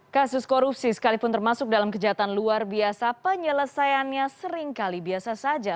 kasus korupsi sekalipun termasuk dalam kejahatan luar biasa penyelesaiannya seringkali biasa saja